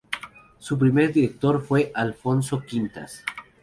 Su primer director fue Alfonso Quintas.